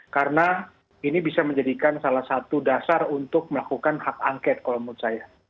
karena ini bisa menjadikan salah satu dasar untuk melakukan hak angket kalau menurut saya